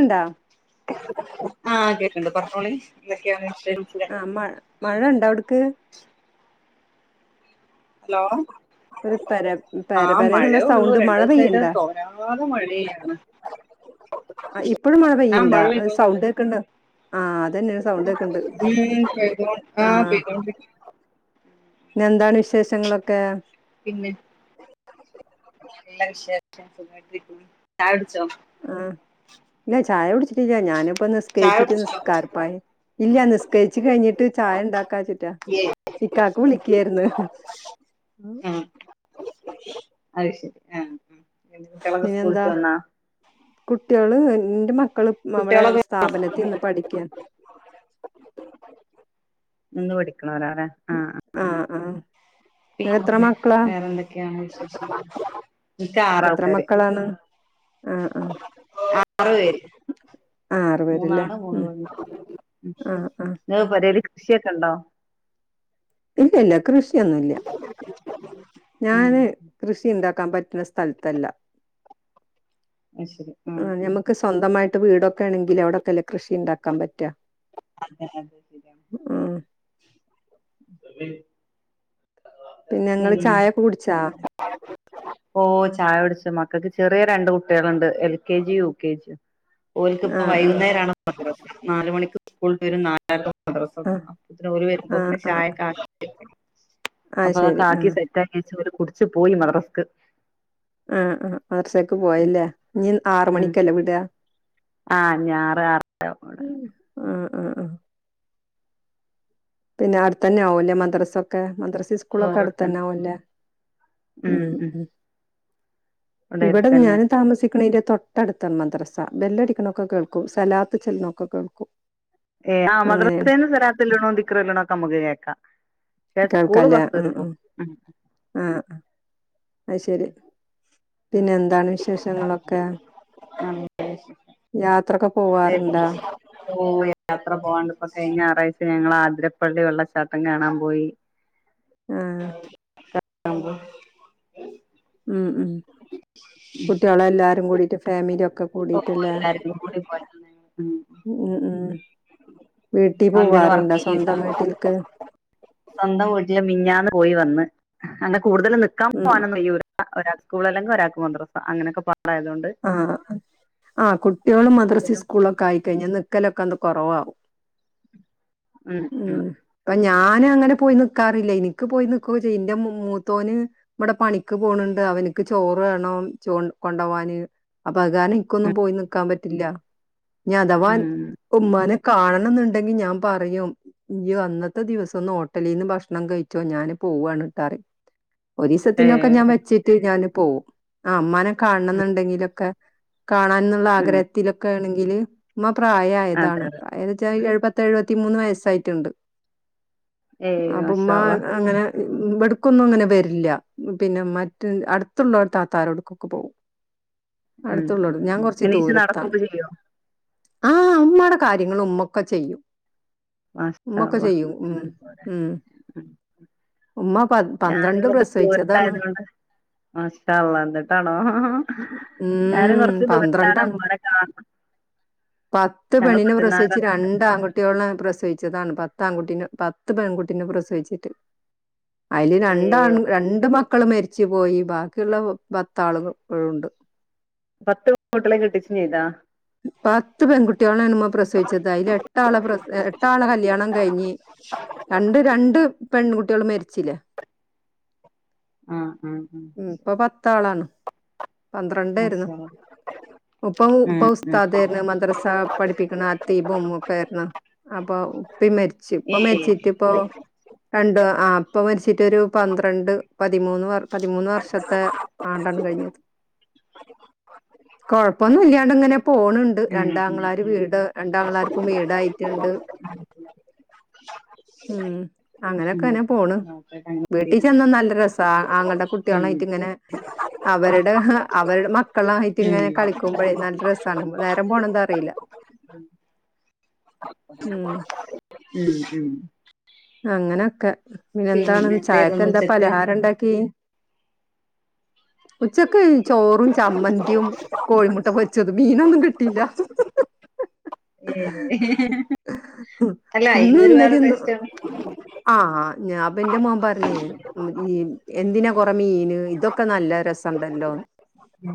ണ്ടോ ആ കേക്ക്ണ്ട് പറഞ്ഞോളി എന്തൊക്കെയാ ആ മഴ മഴണ്ടവ്ട്ക്ക് ഹലോ ഒരു പെര ആ പെര പെരന്നുള്ള മഴേ ഉള്ളു സൗണ്ട് മഴ രണ്ടുസായിട്ട് പെയ്യണ്ടാ തോരാതെ മഴയാ അ ഇപ്പോഴും മഴ പെയ്യ്ണ്ടോ സൗണ്ട് കേക്ക്ണ്ട് മ് ആ പെയ്തോണ്ട് ന്നെ ന്താണ് വിശേഷങ്ങളൊക്കെ പിന്നെ നല്ല ചായ വിശേഷം കുടിച്ചോ ആ ഇല്ല ചായ കുടിച്ചി ച്ചില്ല ഞാനിപ്പ ചായ നിസ്കരിച്ചിട്ട് കുടിച്ചോ നിസ്കാരപ്പായ ഇല്ല നിസ്കരിച്ച് കഴിഞ്ഞിട്ട് ചായ ണ്ടാക്കാച്ച് ട്ടാ ഏയ് ഇക്കാക്ക് വിളിക്കാര്ന്ന് ആഹ് അത് ശെരി ആ പിന്നെ കുട്ട്യാളൊക്കെ സ്കൂള് വിട്ട് വന്നോ കുട്ട്യാള് ന്റെ മക്ക ക്കള് നമ്മടെ സ്ഥാപനത്തി നിന്ന് പഠിക്കാ നിന്ന് പഠിക്ക്ണോരാലേ ആ ആ എത്ര പിന്നെ മക്കളാ വേറെന്തൊക്കെയാണ് വിശേഷം ഇക്ക് എത്ര ആറാൾക്കാര് മക്കളാണ് ആ ആ ആറ് പേര് ആ ആറ് പേരല്ലേ മൂന്നാണ് ഉം മൂന്ന് പെണ്ണ് ആഹ് ആഹ് ങ്ങക് പെരേല് കൃഷിയൊക്കണ്ടോ ഇല്ല്യ ല്ല കൃഷിയൊന്നുല്ല്യ ഉം ഞാന് കൃഷി ഉണ്ടാ ക്കാൻ പറ്റ്ണ സ്ഥൽതല്ല അത് ശരി ഉം അ ഉം ഞമക്ക് സ്വന്തമാ ട്ട് വീടൊക്കെണങ്കില് ഔടക്കല്ലേ കൃഷിണ്ടാക്കാംമ്പറ്റ അതെ അതെ ശരിയാണ് ആഹ് [unintelligible] പിന്നെ ങ്ങള് ചായക്ക കുടിച്ചാ ഓ ചായുടിച്ചു മക്കൾക്ക് ചെറിയ രണ്ട് കുട്ടികള്ണ്ട് L K G U K G ഓൽക്ക്പ്പോ ആഹ് ആഹ് വൈകുന്നേരാണ് മദ്രസ് നാല് മണിക്ക് സ്കൂളിട്ട് വരും നലര മദ്രസം ആഹ് അപ്പെത്തിന് ഓല് വരു ആഹ് മ്പോക്കിന് ആഹ് ഷായക്കാകിറ്റ് ആഹ് അപ്പാ അതൊക്കെ ശരി ആക്കി ആഹ് സെറ്റാക്കിയച്ചു ഓല് കുടിച്ച്പോയി മദർസ്ക്ക് ആ ആ മദർസേക്ക് പോയല്ലേ ഇഞ് ആർമണിക്കല്ലേ വിടാ ആ ഞാറ് [unintelligible] ആ ആ ആ പിന്നെ അട്ത്തന്നാവുല്ലേ മദർസൊക്കെ മദർസ് ഓ സിസ്ക്കുളൊക്കെ ഇവിടെത്തന്നെ അടുത്തന്നാവുല്ലേ ഉം ഉം ഇവിടെ ഇവടെ അടുത്തന്നെ ഞാൻ താമസിക്ക്ണേയിന്റെ തൊട്ടട്ത്താണ് മദ്രസ ബെല്ലടിക്ക്ണൊക്കെ കേൾ ക്കു സലാത്ത് ചെല്ല്നൊക്കെ കേൾക്കും ഏ ആ അങ്ങനേണ് മദർസേന്ന് സലാത്ത് ചെല്ല്ണതും ദിക്ക്റ് ചെല്ലുണോക്കെ മ്മക്ക് കേക്ക കേൾക്കാല്ലേ ആ ആ ആ അയ് ശരി പിന്നെ എന്താണ് വിശേഷങ്ങളൊക്കെ [unintelligible] യാത്രൊക്കെ പോവാറുണ്ടാ [unintelligible] യാത്ര പോവാണ്ട് ഇപ്പ കഴിഞ്ഞ ഞാറാഴ്ച ഞങ്ങ തിരപ്പള്ളി വെള്ളച്ചാട്ടം കാണാം മ്പോയി ആ [unintelligible] ഉം ഉം കുട്ടിയോളെല്ലാരും കൂടിറ്റ് ഫാമിലി ഒക്കെ അപ്പോ കൂടിട്ടല്ലേ എല്ലാരും കൂടീറ്റ്പ്പോയദാണ് ഉം ഉം ഉം വീട്ടിൽ അ ന്തേലും വർക്ക് പോവാറുണ്ടോ ചെയ്ൺണ്ടാ സ്വന്തം വീട്ടിൽക്ക് സ്വന്തം വീട്ടില് മിഞ്ഞാന്ന് പോയി വന്ന് അങ്ങനെ കൂടുതൽ നിക്കാം ഉം പുവാനൊന്നും കൈയ്യൂല ഒരാൾക്ക് സ്‌ക്കൂളല്ലങ്ക്ഒരാൾക്ക് മദ്രസ അങ്ങനെക്കെ പ ആ ആഅ കുട്ടിയോള് മദ്രസി സ്കൂളൊക്കെ ആയിക്കഴിഞ്ഞ നി ക്കലൊക്കന്ത് കുറവാകും ഉം ഉം ഞാനങ്ങനെ പോയി നിക്കാറില്ലയ്ന് നിക്ക് പോയി നിക്കൊക്കെ ചെയ്യൻ്റെ മൂത്തോന് ഇബടെ പണിക്ക് പോണ് ണ്ട് അ അവൻക്ക് ചോറ് വേണം ചോ കൊണ്ടവാന് പ്പഗാരൻക്കന്നും ഉം പോയി നിൽക്കാം പറ്റില്ല ഞ്ഞി അഥവാൻ ഉം ഉമ്മാനെ കാണണം ന്നുണ്ടെങ്കി ഞാൻ പറയും ഇയ്യ് അന്നത്തെ ദിവസൊന്ന് ഹോട്ടലീന്ന് ഭക്ഷണം കഴിച്ചോ ഞാന് പോവാണ് ട്ടാറിം ഏ ഒരീസത്തിനൊക്കെഞാൻ വച്ചിട്ട് ഞാന് പോവും ആ മ്മാനെ ഉം കാൺണംന്ന്ണ്ടെങ്കിലൊക്കെ കാണാൻന്നുള്ള ഉം ആഗ്രഹത്തിലൊക്കെ ണെങ്കില് ഉമ്മ അതെ പ്രായയതാണ് അതെ പ്രായ തച്ചാല് എഴുപത്തി ത്തഴുവത്തിമൂന്ന് വയസ്സായ്റ്റ്ണ്ട് ഏയ് അപ്പോ മാഷാ അള്ളാ ഉമ്മാനങ്ങനെ ഇബട് ക്കൊന്നും അങ്ങനെ വരില്ല പിന്നെ മറ്റ് അടുത്തുള്ളോട് താത്ത രോട്ക്കൊക്കോ പോകും ഉം ഉം ഉം യെണീച്ച് നടകൊക്കെ ചെയ്യോ ആ അമ്മടെ കാര്യങ്ങൾ ഉമ്മൊക്ക ചെയ്യും മാഷാ ഇമ്മക്കെ ചെയ്യും ഉം അള്ളാ ഉം ഉമ്മ പ ഞാനും പന്ത്രണ്ട് കുറച്ച് പ്രസവിച്ചതാണ് ദൂരത്തായതുകൊണ്ട് മാഷാ അള്ളാ ന്ന്ട്ടാണോ ഞാനും ഉം കൊറച്ച്ദൂരത്താണ് പന്ത്രണ്ടാണ് ഇമ്മാനെ കാണണം പത്ത് ഞങ്ങൾ പെണ്ണിനെ പ്രസവിച്ചു രണ്ട് പത്തിനാലുണ്ട് ആൺകുട്ടികൾനെ പ്രസവി ച്ചതാണ് പത്ത ആൺകുട്ടീനെ പത്ത് പെൺകുട്ടീനെ പ്രസവിച്ചിട്ട് അയില് ഏ രണ്ടാണും രണ്ട് മ ക്കള് മരിച്ച് പോയി ബാക്കിയുള്ള പത്താളുകൾ ഇപ്പഴും ഉണ്ട് പത്ത് പെകുട്ടികളെ കെട്ടിച്ചു ചെയ്താ പത്ത് പെൺകുട്ടികളെയാണ് ഉമ്മ പ്രസവിച്ചത് അതില് എട്ടാളെ പ്ര എട്ട ആളെ കല്യാണം കഴിഞ്ഞ് രണ്ട് രണ്ട് പെൺകുട്ടികള് മരിച്ചിലേ ആഹ് ആഹ് ആഹ് ഉം ഇപ്പം പത്ത് ആളാണ് മാഷാ അളളാ ഉപ്പപ്പം ഉസ്താദ് യേര്ന്ന് മദ്രസ പഠിപ്പിക്ക്ണ അത്തീബും ഒക്കെ യിരുന്നു അപ്പൊ ഉപ്പിം മരിച്ച് ഇപ്പ ഏയ് മരിച്ചിട്ട് ഇപ്പൊ രണ്ട് ആ ഉപ്പ മരിച്ചിട്ട് ഒരു പന്ത്രണ്ട് പതിമൂന്ന് വർ പതിമൂന്ന് വർഷത്തെ ആണ്ടാണ് കഴിഞ്ഞത് കൊഴപ്പൊന്നും ഇല്ലാണ്ട് ഇങ്ങനെ പോണ് ണ്ട് ഉം ഉം രണ്ടാങ്ങളാര് ഉം വീട് രണ്ടാങ്ങളാർക്കും വീടായിട്ട്ണ്ട് ഉം ഉം അങ്ങനെയൊക്കെന്നെ പോണ് നോക്കട്ടെ അങ്ങനെ വീട്ടിൽ തീരട്ടെ ചെന്നാ നല്ല രസാ ആങ്ങൾ ന്റെ കുട്ടോൾനെ ഉം ആയിട്ട് ഇങ്ങനെ അവരുടെ അവരുടെ മക്കളായിട്ട് ഉം ഇങ്ങനെ കളിക്കുമ്പോഴേ നല്ല രസാണ് നേരം പോണ എത്താറീല ഉം ഉം ഉം അങ്ങനൊക്കെ പിന്നെ പിന്നെന്താണ് ചായക്കെ എന്തായിരുന്നു എന്താ ഉച്ചക്ക് പലഹാരം ഇണ്ടാക്കി ഉച്ചക്ക് ചോറും ചമ്മന്തിയും കോഴിമുട്ട പൊരിച്ചത് മീനൊന്നും കിട്ടിയില്ല ഏഹ് അല്ല ഇന്നും അയിനൊരു വേറെ ഇന്നെലെന്നും ടേസ്റ്റാണ് ആ ഞാ അപ്പൊന്റെ മോൻ പറഞ്ഞേ എന്തിനാ കുറെ മീന് ഇതൊക്കെ നല്ല രസണ്ടല്ലോ മ്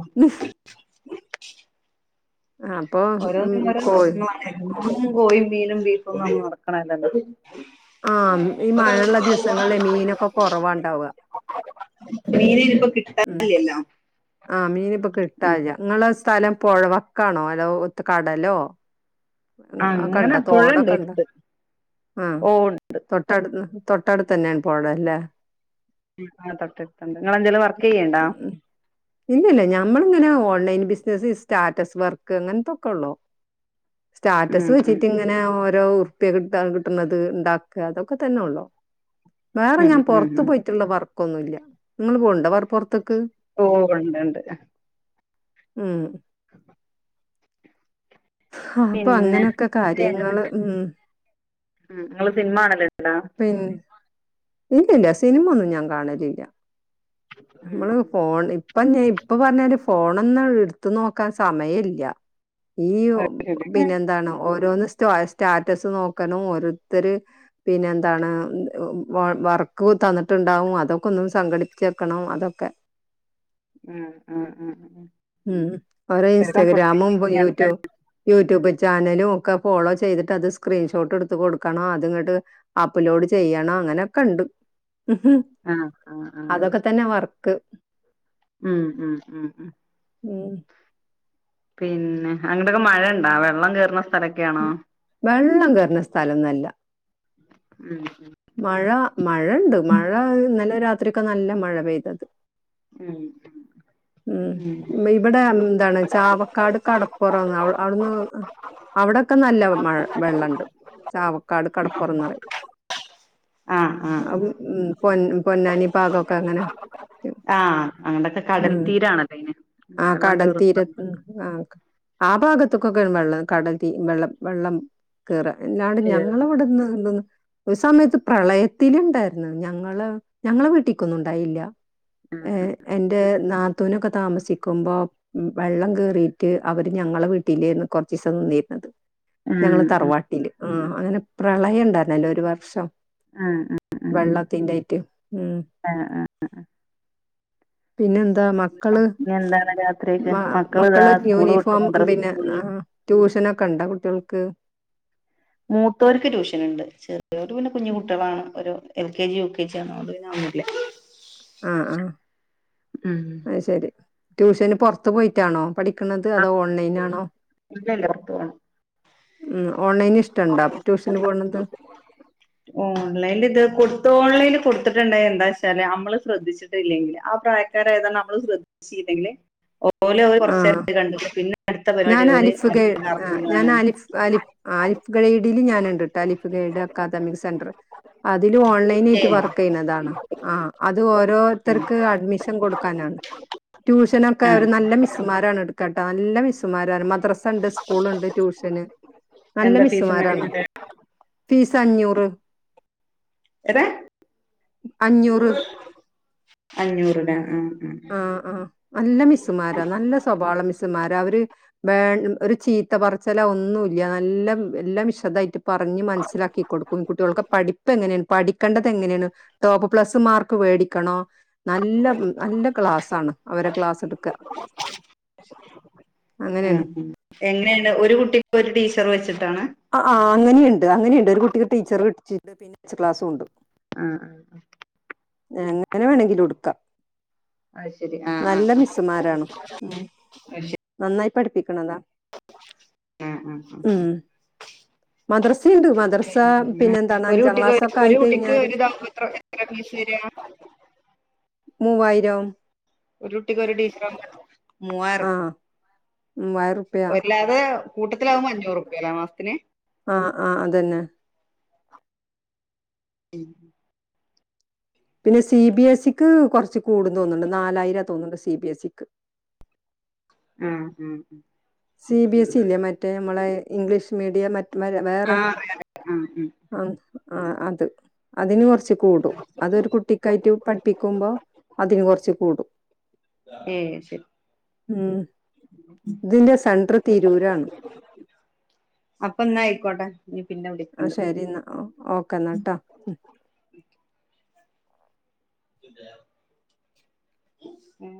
അപ്പൊ ഓരോ ഉം കോഴി [unintelligible] എന്നും കോഴി മീനും ബീഫും നടക്ക്ണല്ലല്ലോ ആ ഈ മഴള്ള ദിവസങ്ങളിൽ മീനൊക്കെ കുറവാണ്ടാവ മീന് അ യ്ന്പ്പോ കിട്ടാൻല്ലല്ലോ ആ മീനി ഇപ്പോ കിട്ടാല്ല ഇങ്ങളെ സ്ഥലം പുഴ വക്കാണോ അല്ലോ ഒത്ത് കടലോ അങ്ങനെ ഒക്കെണ്ടോ പുഴ ഉണ്ട് തോടൊക്കെണ്ട എടുത്ത് ആ ഓ തൊട്ടടു തൊട്ടടുത്തന്നെയാണ് പോഴല്ലേ ആ തൊട്ടടുത്തണ്ട് നിങ്ങളെന്തെലും വർക്ക് ചെയ്യ്ണ്ടോ ഇല്ലല്ല ഞമ്മളിങ്ങനെ ഓൺലൈൻ ബിസിനസ്സ് സ്റ്റാറ്റസ് വർക്ക് അങ്ങനത്തൊക്കെള്ളോ ഉം സ്റ്റാറ്റസ് ഉം വെച്ചിട്ട് ഇങ്ങനെ ഓരോർ പ്യ കിട്ടാ കിട്ട്ന്നത് ഉണ്ടാക്കാ അതൊക്കെ തന്നെ ഉള്ളു വേറെ ഉം ഞാൻ ഉം പുറത്ത് ഉം പോയിട്ടുള്ള വർ ക്ക് ഒന്നുമില്ല നിങ്ങള്പോണ് ണ്ടോ വർ പൊറ്ത്ത്ക്ക് ഉണ്ട്ണ്ട് ഉം ആ അപ്പൊ പിന്നെ അങ്ങനെയൊക്കെ കാര്യങ്ങള് ഉം നിങ്ങള് സിനിമ ആണല്ലോ ഉണ്ടാ പിന്ന ഇല്ലല്ല സിനിമ ഒന്നും ഞാൻ കാണലില്ല നമ്മള് ഫോൺ ഇപ്പ ഇപ്പൊ പറഞ്ഞല് ഫോണൊന്നും എടുത്ത് നോക്കാൻ സമയം ഇല്ല ഈ ഉം പിന്നെ എന്താണ് ഓരോന്ന് സ്റ്റാറ്റസ് നോക്കണം ഓരോരുത്തര് പിന്നെ എന്താണ് വർക്ക് തന്നിട്ടുണ്ടാവും അതൊക്കെ ഒന്നും സംഘടിപ്പിച്ചെക്കണം അതൊക്കെ ഉം ഉം ഉം ഉം കുറെ ചെറുക്കൻ ഫുൾ ടൈം ഇൻസ്റ്റഗ്രാമും ബിസിയാണ് യൂട്യൂബ് യൂട്യൂബ് ചാനലും ഒക്കെ ഫോളോ ചെയ്തിട്ട് അത് സ്ക്രീൻഷോട്ട് എടുത്ത് കൊടുക്കണം അത്ങ്ങോട്ട് അപ്‌ലോഡ് ചെയ്യ അങ്ങനെയൊക്കെ ഉണ്ട് ആ ആ ആ അതൊക്കെ തന്നെ വർക്ക് ഉം ഉം ഉം ഉം ഉം പിന്നെ അങ്ങട്ടൊക്കെ മഴയണ്ടാ വെള്ളം കേയറുന്ന സ്ഥലക്കെയാണോ വെള്ളം കേയറുന്ന സ്ഥലൊന്നുല്ലാ ഉം മഴ മഴ ണ്ട് മഴ ഇന്നലെ രാത്രി ഒക്കെ നല്ല മഴ പെയ്തത് ഉം ഉം ഇവിടെ എന്താണ് ചാവക്കാട് കടപ്പുറംന്ന് അവിടുന്ന് അവിടൊക്കെ നല്ല മഴ വെള്ളണ്ട് ചാവക്കാട് കടപ്പുറന്ന് പറയും ആഹ് ആഹ് പൊ പൊന്നാനി ഭാകൊക്കെ അങ്ങനെ ആഹ് അങ്ങടൊക്കെ കടൽ ഉം തീരാണല്ലോ അയിന് ആഹ് വെള്ളം കടൽ കേറും തീര ആ ആ ഭാഗത്തൊക്കൊക്കെ വെള്ളം കടത്തി വെള്ളം വെള്ളം കേറാ അല്ലാണ്ട് ഞങ്ങളവിടന്ന് എന്തന്ന് ഒരു സമയത്ത് പ്രളയത്തി ഇണ്ടായിരുന്നു ഞങ്ങള് ഞങ്ങളെ വീട്ടിക്കൊന്നും ഇണ്ടായില്ല ഉം ഏ എന്റെ നാത്തൂനൊക്കെ താമസിക്കുമ്പോ വെള്ളം കേറിട്ട് അവര് ഞങ്ങളെ വീട്ടിലേന്ന് കുറചീസം നിന്നിരുന്നത് ഞങ്ങള് ഉം തറവാട്ടീല് ആ അങ്ങനെ പ്രളയം ഉണ്ടായിരുന്നല്ലോ ഒരു വർഷം ഉം ഉം ഉം വെള്ളത്തിന്റൊയിട്ടും ആഹ് ആഹ് പിന്നെ എന്താ മക്കള് ഇനി എന്താണ് രാത്രിക്ക് മ ഇതാ മക്കള് സ്കൂള് വിട്ട് യൂണിഫോം മദ്രസയിൽ പിന്നെ പോയി ആ ട്യൂഷനൊക്കെണ്ട കുട്ടികൾക്ക് മൂത്തോർക്ക് ട്യൂഷൻ ഉണ്ട് ചെറിയരു പിന്നെ കുഞ്ഞിക്കുട്ട്യോളാണ് ഒരു L K G U K G ആണ് അതോണ്ട് പിന്നെ അതൊന്നും ഇല്ലാ ആഹ് ആഹ് ഉം അയ്ശരി ട്യൂഷന് പുറത്ത് പോയിട്ടാണോ പഠിക്കണത് അതോ ഓൺലൈൻ ആണോ ഇല്ലല്ല പുറത്ത് പോണം ഉം ഓൺലൈന് ഇഷ്ടണ്ടാ ട്യൂഷന് പോണത് ഓ ഓൺലൈൽ ഇത് കൊടുത്ത് ഓൺലൈനിൽ കൊടുത്തിട്ടുണ്ട എന്താ വെച്ചാല് നമ്മള് ശ്രദ്ധിച്ചിട്ടില്ലെങ്കിൽ പ്രക്കാരായതാണ് നമ്മള് ശ്രദ്ധിചില്ലേങ്കി ഓലെ കൊറച്ചേര ആഹ് കണ്ടു പിന്നെ അടുത്ത പരിപാടി ഞാൻ അലിഫ് ഗൈ ആ ഞാൻ ഓലെല്ലർക്കാണ് അലിഫ് അലിഫ് അലിഫ് ഗൈഡൽ ഞാനുണ്ട്ട്ടാ അലിഫ് ഗൈഡ് അക്കാദമി സെന്റർ അതില് ഓൺലൈന് ആയിട്ട് വർക്ക് ചെയ്യുന്നതാണ് ആ അത് ഓരോരുത്തർക്ക് അഡ്മിഷൻ കൊടുക്കാനാണ് ട്യൂഷനക്കെ അവർ ആഹ് നല്ല മിസ് എടുക്കാട്ടെ നല്ല മിസ്സുമാരാണ് മദ്രാസ് ഇണ്ട് സ്കൂളിൽ ഇണ്ട് ടിയുഷ്യൻ നല്ല എന്താ ഫീസും മിസ്സ്മരാണ് കാര്യങ്ങളൊക്കെ ഫീസ് അഞ്ചുറ് ബ്ര എതാ അഞ്ഞൂറ് അഞ്ഞൂറ് ലെ ഉം ആ ആഹ് നല്ല മിസ്സുമാരാ നല്ല സ്വഭാവള്ള മിസ്സ്മാരാ അവര് ഒരു ചീത്ത പറച്ചില ഒന്നുംല്ല നല്ല എല്ലാം വിശദമായിട്ട് പറഞ്ഞു മനസ്സിലാക്കി കൊടുക്കും ഈ കുട്ടികൾക്ക് പഠിപ്പ് എങ്ങനെയാണ് പഠിക്കേണ്ടത് എങ്ങനെയാണ് ടോപ്പ് പ്ലസ് മാർക്ക് മേടിക്കണോ നല്ല നല്ല ക്ലാസാണ് അവരെ ക്ലാസ് എടുക്കുക ആ എങ്ങനെയാണ് ഒരു കുട്ടി ഒരു ടീച്ചർ വെച്ചിട്ടാണ് ആ ആ അങ്ങനെയുണ്ട് അങ്ങനെയുണ്ട് ഒരു കുട്ടിക്ക് ടീച്ചർ വച്ചിട്ടണ്ട് പിന്നെ ക്ലാസും ഉണ്ട് ആഹ് ആഹ് എങ്ങനെ വേണമെങ്കിലും ഇടുക്കാം അത് ശരി ആഹ് ആഹ് നല്ല ആഹ് മിസ്സുമാരാണ് ഉം നന്നായി പഠിപ്പിക്കണതാ ഉം ഉം മദ്രസയുണ്ട് മദ്രസ പിന്നെ എന്താണ് ഒരു അഞ്ചാം കുട്ടിക്ക് ക്ലാസ്സൊക്കെ ആയി ഒരു കുട്ടിക്ക് കഴിഞ്ഞാല് ഒരു [unintelligible] എത്ര എത്ര ഫീസ് വരാ ആഹ് മൂവായിരം ഒരു കുട്ടിക്ക് ഒരു ടീച്ചറാവുമ്പോ ആ. മൂവായിറുപ്പ്യ ഒര്ല്ലാതെ കൂട്ടത്തിലാവുമ്പോ അഞ്ഞൂറ് റുപ്പ്യ അല്ലേ മാസത്തില് ആഹ് ആഹ് അതന്നെ ഉം പിന്നെ സി ബി എസിക്ക് കൊറച്ച് കൂടൂന്ന് തോന്നുന്നുണ്ട് നാലായിര തോന്നുണ്ട് സി ബി എസിക്ക് ഉം ഉം ഉം സി ബി എസി ഇല്ലേ മറ്റേ നമ്മളെ ഇംഗ്ലീഷ് മീഡിയം മ വരെ വേറെ ആഹ് ആഹ് അറിയാം അറിയാം ആഹ് ആഹ് ആ അത് അതിന് കുറച്ച് കൂടും അതൊരു കുട്ടി ക്കായിട്ട് പഠിപ്പിക്കുമ്പോ അതിന് കുറച്ച് കൂടും ഏഹ് ശരി ഉം ഇതിന്റെ സെന്റർ തീരൂരാണ് അപ്പൊന്ന ആയിക്കോട്ടെ ഇനി പിന്നെ ആ വിളിക്കണ്ട് ശരി എന്നാ ഓ ഓക്ക എന്നാട്ടോ ഉം ഉം